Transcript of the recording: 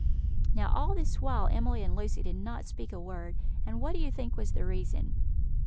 Now all this while Emily and Lucy did not speak a word; and what do you think was the reason?